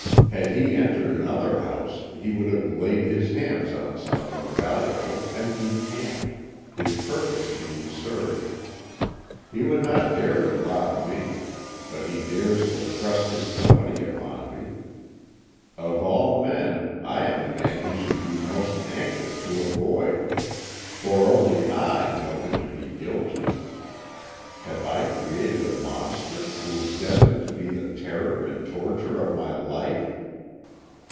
Had he entered another house he would have laid his hands on something valuable and decamped, his purpose being served. He would not dare to rob me, but he dares to thrust his company upon me. Of all men, I am the man he should be most anxious to avoid, for only I know him to be guilty. Have I created a monster who is destined to be the terror and torture of my life?